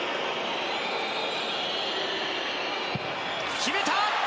決めた！